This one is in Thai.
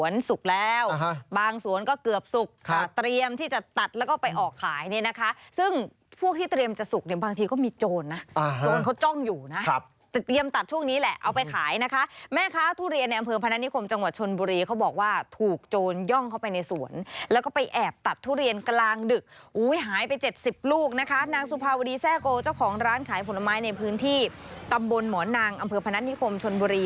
นางสุภาวดีแซ่โกเจ้าของร้านขายผลไม้ในพื้นที่ตำบลหมอนางอำเภอพนัฐนิคมชนบรี